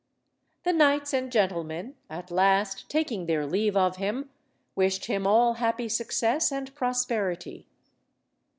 The knights and gentlemen, at last taking their leave of him, wished him all happy success and prosperity.